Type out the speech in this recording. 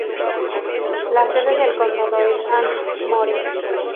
La sede del condado es Ardmore.